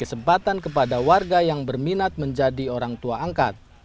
kesempatan kepada warga yang berminat menjadi orang tua angkat